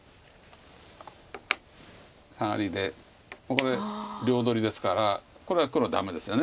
サガリでここで両取りですからこれは黒ダメですよね。